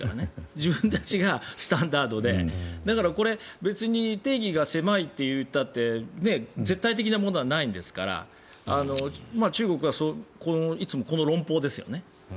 自分たちがスタンダードでだから、これ別に定義が狭いといったって絶対的なものはないですから中国はいつもこの論法ですよね。